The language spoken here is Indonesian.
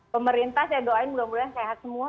pemerintah saya doain semoga moga sehat semua